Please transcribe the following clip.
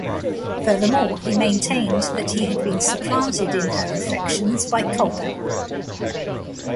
Furthermore, he maintained that he had been supplanted in her affections by Culpeper.